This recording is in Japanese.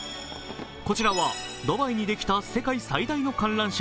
こちらはドバイにできた世界最大の観覧車